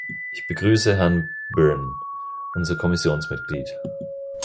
Ich begrüße Herrn Byrne, unser Kommissionsmitglied.